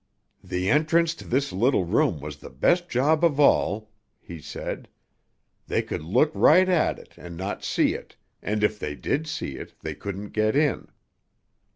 "The entrance to this little room was the best job of all," he said. "They could look right at it and not see it, and, if they did see it, they couldn't get in."